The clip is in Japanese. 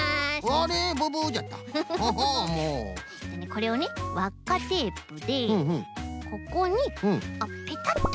これをねわっかテープでここにペタッと。